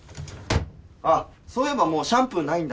あっそういえばもうシャンプーないんだったわ。